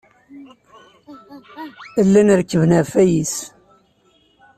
Llan rekkben ɣef wayis.